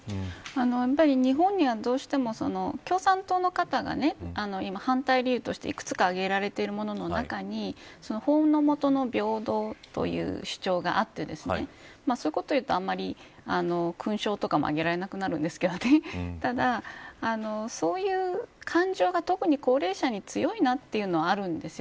やっぱり日本にはどうしても共産党の方が今、反対理由としていくつか挙げられているものの中に法の下の平等という主張があってそういうことを言うとあまり勲章とかもあげられなくなるんですけどただ、そういう感情が特に高齢者に強いなというのはあるんです。